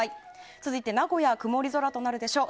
続いて名古屋は曇り空となるでしょう。